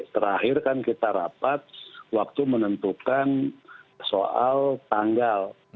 terakhir kan kita rapat waktu menentukan soal tanggal